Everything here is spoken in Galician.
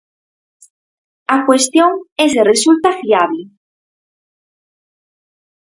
A cuestión é se resulta fiable.